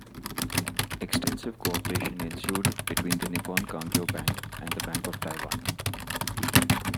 Extensive cooperation ensued between the Nippon Kangyo Bank and the Bank of Taiwan.